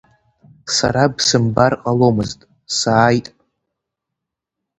Сара бзымбар ҟаломызт, сааит.